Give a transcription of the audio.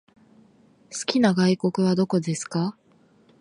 好きな外国はどこですか？